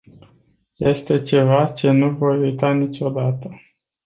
Este ceva ce nu voi uita niciodată.